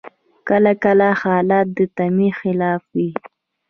کله کله حالات د تمي خلاف وي.